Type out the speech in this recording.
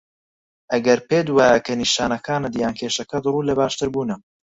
ئەگەر پێت وایه که نیشانەکانت یان کێشەکەت ڕوو له باشتربوونه